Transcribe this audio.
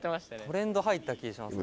「トレンド入った気しますね」